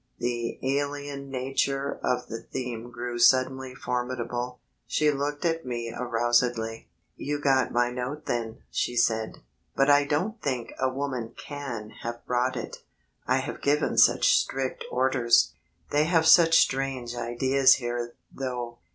The alien nature of the theme grew suddenly formidable. She looked at me arousedly. "You got my note then," she said. "But I don't think a woman can have brought it. I have given such strict orders. They have such strange ideas here, though.